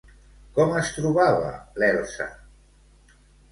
Com es trobava l'Elsa?